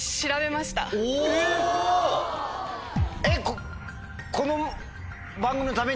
えっ！